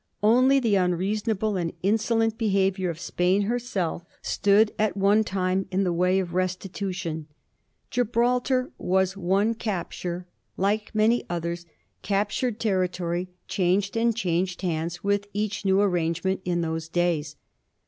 Only the unreasonable and insolent behaviour of Spain herself stood at one time in the way of the restitution. Gibraltar wa« one capture, Digiti zed by Google 1729 PATRIOT PASSION. 391 like many others ; captured territory changed and changed hands with each new arrangement in those days.